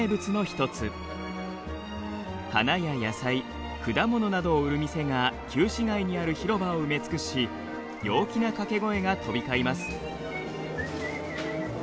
花や野菜果物などを売る店が旧市街にある広場を埋め尽くし陽気な掛け声が飛び交います。